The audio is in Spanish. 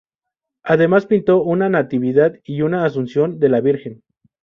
Además pintó una "Natividad" y una "Asunción de la Virgen".